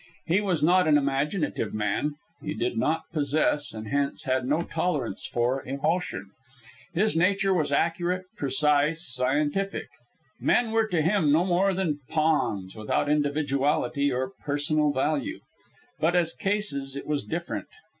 He was not an imaginative man. He did not possess, and hence had no tolerance for, emotion. His nature was accurate, precise, scientific. Men were to him no more than pawns, without individuality or personal value. But as cases it was different.